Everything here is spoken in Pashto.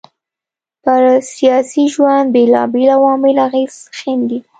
پر سياسي ژوند بېلابېل عوامل اغېز ښېندي